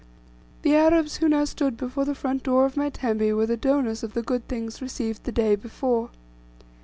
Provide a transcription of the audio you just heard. The Arabs who now stood before the front door of my tembe were the donors of the good things received the day before.